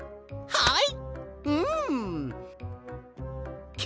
はい！